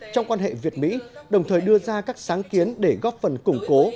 trong quan hệ việt mỹ đồng thời đưa ra các sáng kiến để góp phần củng cố